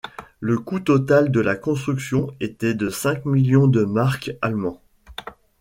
Le coût total de la construction était de cinq millions de marks allemands.